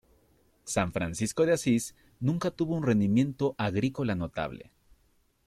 San Francisco de Asís nunca tuvo un rendimiento agrícola notable.